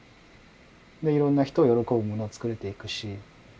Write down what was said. それでいろんな人が喜ぶものを作れていくし。